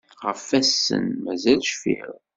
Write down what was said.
Ɣaf ass-n mazal cfiɣ.